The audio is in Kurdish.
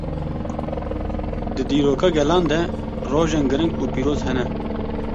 Di dîroka gelan de rojên giring û pîroz hene.